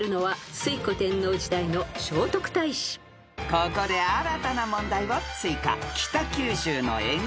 ［ここで新たな問題を追加］